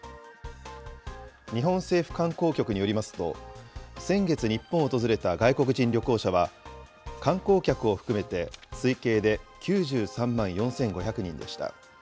日本政府観光局によりますと、先月、日本を訪れた外国人旅行者は、観光客を含めて推計で９３万４５００人でした。